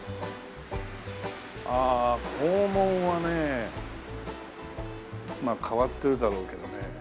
ああ校門はねまあ変わってるだろうけどね。